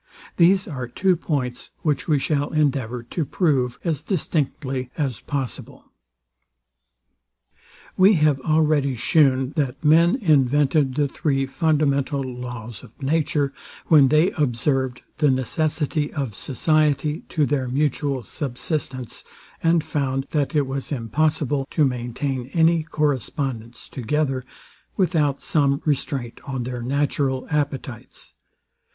These are two points, which we shall endeavour to prove as distinctly as possible. We have already shewn, that men invented the three fundamental laws of nature, when they observed the necessity of society to their mutual subsistance, and found, that it was impossible to maintain any correspondence together, without some restraint on their natural appetites.